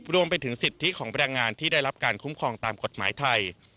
รวมไปถึงสิทธิของแบรนด์งานที่ได้รับการคุ้มครองตามกฎหมายไทย